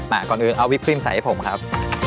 ก่อนอื่นเอาวิปคริมใส่ให้ผมครับ